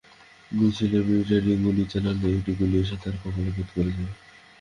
মিছিলে মিলিটারিরা গুলি চালালে একটা গুলি এসে তার কপাল ভেদ করে যায়।